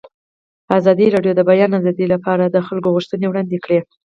ازادي راډیو د د بیان آزادي لپاره د خلکو غوښتنې وړاندې کړي.